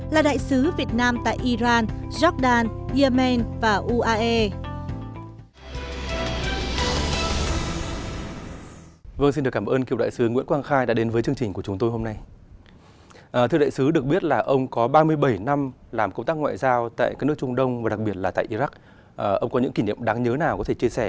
là đại sứ việt nam tại iran jordan yemen và uae